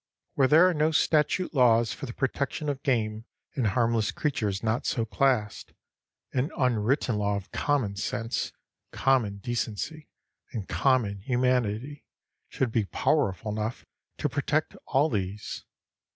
Where there are no statute laws for the protection of game and harmless creatures not so classed, an unwritten law of common sense, common decency, and common humanity should be powerful enough to protect all these.